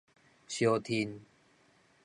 相伨